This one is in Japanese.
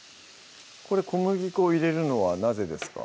これ小麦粉入れるのはなぜですか？